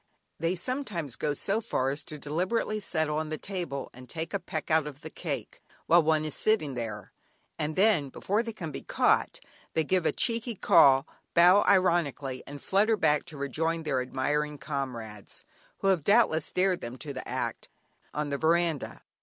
They sometimes go so far as to deliberately settle on the table and take a peck out of the cake, while one is sitting there, and then before they can be caught, they give a cheeky "caw," bow ironically, and flutter back to rejoin their admiring comrades (who have doubtless dared them to the act) on the veranda.